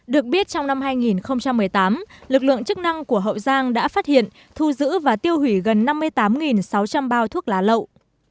được biết trong năm hai nghìn một mươi tám lực lượng chức năng của hậu giang đã phát hiện thu giữ và tiêu hủy gần năm mươi tám sáu trăm linh bao thuốc lá lậu